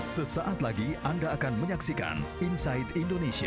sesaat lagi anda akan menyaksikan inside indonesia